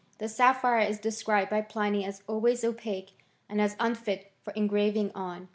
The sapphire is described by Pliny as alway* opaque^ and as unfit for engraving on.